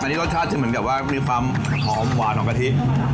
อันนี้รสชาติจะเหมือนกับว่ามีความหอมหวานของกะทิ